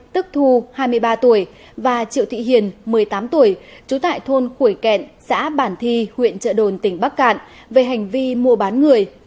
tức thu hai mươi ba tuổi và triệu thị hiền một mươi tám tuổi trú tại thôn khuổi kẹn xã bản thi huyện trợ đồn tỉnh bắc cạn về hành vi mua bán người